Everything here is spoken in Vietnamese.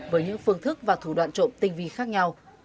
với những phương thức và thủ đoạn trộm tinh vi khác nhau